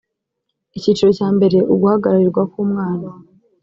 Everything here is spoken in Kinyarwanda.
icyiciro cya mbere uguhagararirwa k umwana